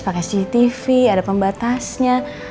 pakai cctv ada pembatasnya